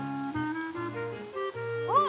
おっ！